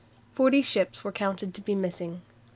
Forty ships were counted to be missing."